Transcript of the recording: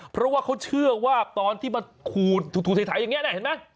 เพราะว่าเขาเชื่อว่าตอนที่มันขูดถูไถอย่างนี้นะเห็นไหม